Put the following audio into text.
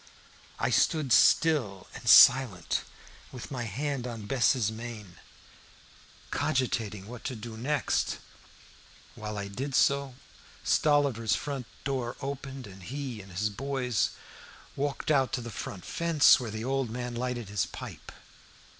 I stood still and silent, with my hand on Bess's mane, cogitating what to do next. While I did so, Stolliver's front door opened, and he and his boys walked out to the front fence, where the old man lighted his pipe.